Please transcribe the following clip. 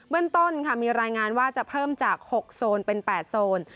เรื่องต้นค่ะมีรายงานว่าจะเพิ่มจาก๖โซนเป็น๘โซน